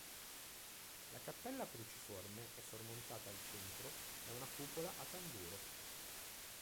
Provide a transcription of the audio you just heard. La cappella cruciforme è sormontata al centro da una cupola a tamburo.